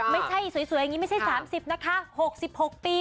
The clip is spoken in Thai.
ไม่ใช่๓๐นะคะ๖๖ปี